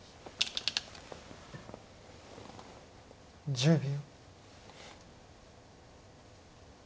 １０秒。